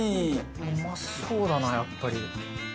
うまそうだなやっぱり。